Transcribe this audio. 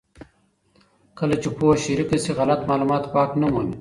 کله چې پوهه شریکه شي، غلط معلومات واک نه مومي.